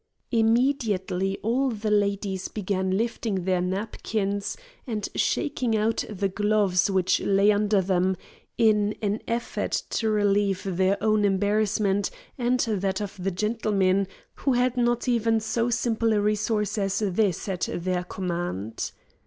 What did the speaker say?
Immediately all the ladies began lifting their napkins and shaking out the gloves which lay under them, in an effort to relieve their own embarrassment and that of the gentlemen who had not even so simple a resource as this at their command.